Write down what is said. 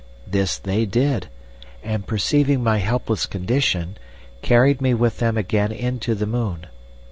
This they did, and, perceiving my helpless condition, carried me with them again into the moon.